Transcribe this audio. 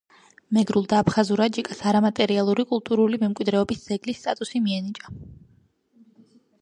მეგრულ და აფხაზურ აჯიკას არამატერიალური კულტურული მემკვიდრეობის ძეგლის სტატუსი მიენიჭა.